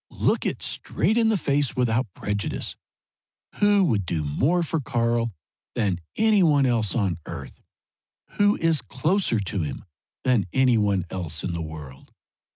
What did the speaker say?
Look it straight in the face without prejudice. Who would do more for Karl than any one else on earth? Who is closer to him than any one else in the world?